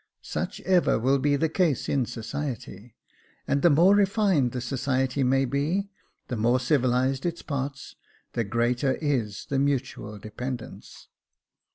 Such ever will be the case in society, and the more refined the society may be — the more civilised its parts — the greater is the mutual dependence.